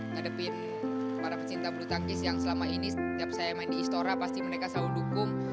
ngadepin para pecinta bulu tangkis yang selama ini setiap saya main di istora pasti mereka selalu dukung